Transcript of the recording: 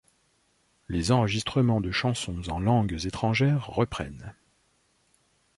Les enregistrements de chansons en langues étrangères reprennent.